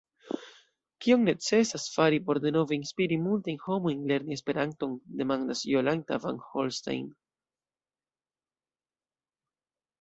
Kion necesas fari por denove inspiri multajn homojn lerni Esperanton, demandas Jolanta van Holstein.